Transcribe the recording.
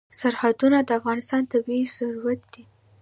سرحدونه د افغانستان طبعي ثروت دی.